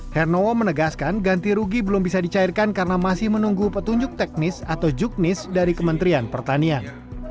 hernowo menegaskan ganti rugi belum bisa dicairkan karena masih menunggu petunjuk teknis atau juknis dari kementerian pertanian